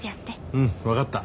うん分かった。